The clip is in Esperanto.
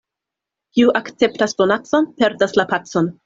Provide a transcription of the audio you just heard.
Kiu akceptas donacon, perdas la pacon.